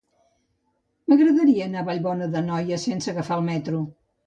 M'agradaria anar a Vallbona d'Anoia sense agafar el metro.